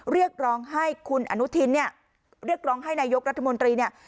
เรียกร้องให้คุณอนุทินเนี่ยเรียกร้องให้นายกรัฐมนตรีเนี่ย